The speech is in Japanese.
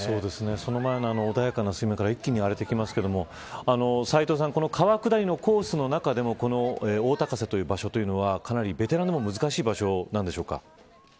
その前の穏やかな水面から一気に荒れてきますけど川下りのコースの中でも大高瀬という場所はかなりベテランでも難しい場所なんでしょうか。